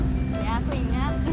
nganterin uang buat mimi